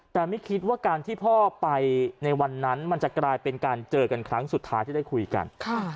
แต่ไม่คิดว่าการที่พ่อไปในวันนั้นมันจะกลายเป็นการเจอกันครั้งสุดท้ายที่ได้คุยกัน